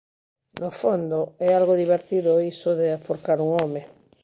No fondo, é algo divertido iso de aforcar un home.